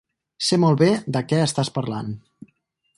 Sé molt bé de què estàs parlant.